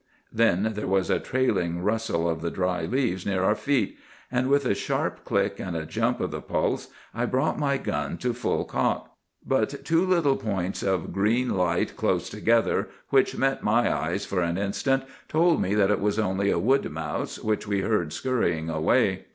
"Then there was a trailing rustle of the dry leaves near our feet; and, with a sharp click and a jump of the pulse, I brought my gun to full cock. "But two little points of green light close together, which met my eyes for an instant, told me that it was only a wood mouse which we heard scurrying away.